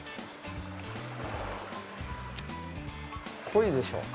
濃いでしょう？